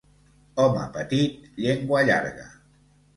Home petit, llengua llarga.